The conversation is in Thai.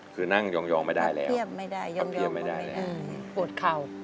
คือนั่งยองไม่ได้แล้วเทียบไม่ได้แล้วปวดเข่า